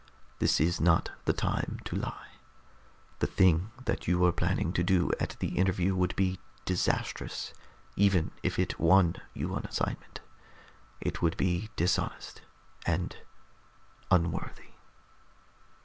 This is not the time to lie. The thing that you were planning to do at the interview would be disastrous, even if it won you an assignment. It would be dishonest and unworthy."